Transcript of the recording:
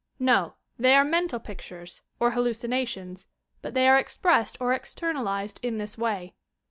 No, — they are mental pictures or hallucinations, but they are expressed or externalized in this way.